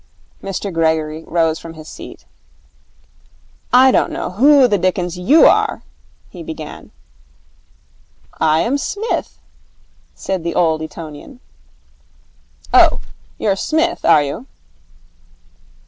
Mr Gregory rose from his seat. 'I don't know who the dickens you are ' he began. 'I am Psmith,' said the old Etonian, 'Oh, you're Smith, are you?'